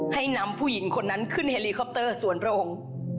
ให้นำผู้หญิงคนนั้นขึ้นเฮลีคอปเตอร์สวนโรง